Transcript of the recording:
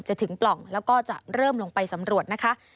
ถึงปล่องแล้วก็จะเริ่มลงไปสำรวจนะคะ